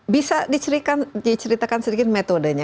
bisa diceritakan sedikit metodenya